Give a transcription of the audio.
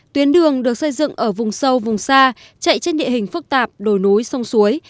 tuyến đường được xây dựng ở vùng sâu vùng xa chạy trên địa hình phức tạp đồi núi sông suối